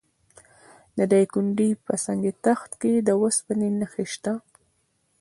د دایکنډي په سنګ تخت کې د وسپنې نښې شته.